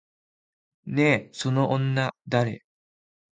ねえ、その女誰？